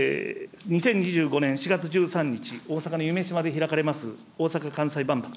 ２０２５年４月１３日、大阪の夢洲で開かれます、大阪・関西万博。